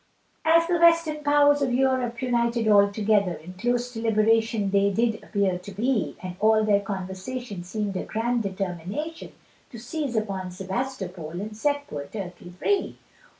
As the western powers of Europe united all together, In close deliberation they did appear to be, And all their conversation seemed a grand determination, To seize upon Sebastopol and set poor Turkey free!